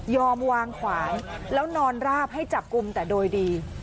วางขวานแล้วนอนราบให้จับกลุ่มแต่โดยดี